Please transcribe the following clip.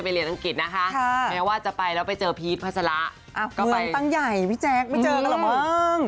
บางอย่างใหญ่พี่แจ๊คไม่เจอกันหรอบ้าง